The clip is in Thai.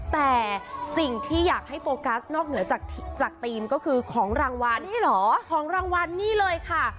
แต่สิ่งที่อยากให้โฟกัสนอกเหนือจากธีมก็คือของรางวัลนี่เหรอของรางวัลนี่เลยค่ะ